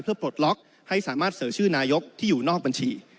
เพื่อปลดล็อกให้สามารถเสนอชื่อนายกที่อยู่นอกบัญชี